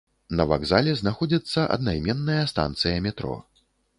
На вакзале знаходзіцца аднайменная станцыя метро.